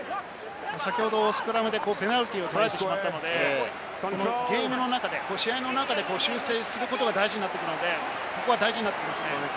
先ほどスクラムでペナルティーを取られてしまったので、ゲームの中で試合の中で修正することが大事になってくるので、ここが大事になってきますね。